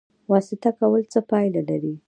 واسطه کول څه پایله لري؟